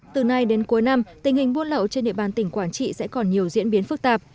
từ nay đến cuối năm tình hình buôn lậu trên địa bàn tỉnh quảng trị sẽ còn nhiều diễn biến phức tạp